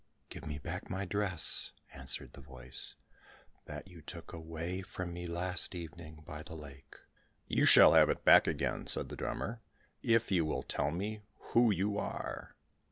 "Give me back my dress," answered the voice, "that you took away from me last evening by the lake." "You shall have it back again," said the drummer, "if you will tell me who you are."